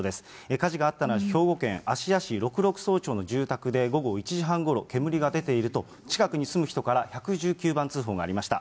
火事があったのは兵庫県芦屋市六麓荘町の住宅で、午後１時半ごろ、煙が出ていると、近くに住む人から１１９番通報がありました。